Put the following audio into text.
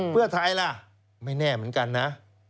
เพื่อไทยล่ะไม่แน่เหมือนกันนะ